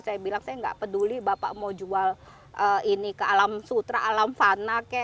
saya bilang saya nggak peduli bapak mau jual ini ke alam sutra alam fana